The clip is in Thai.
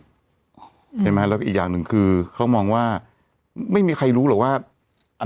ใช่ไหมแล้วก็อีกอย่างหนึ่งคือเขามองว่าไม่มีใครรู้หรอกว่า